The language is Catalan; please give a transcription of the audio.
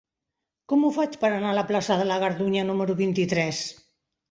Com ho faig per anar a la plaça de la Gardunya número vint-i-tres?